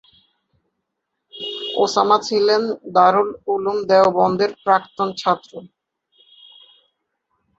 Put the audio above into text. Osama ছিলেন দারুল উলূম দেওবন্দের প্রাক্তন ছাত্র।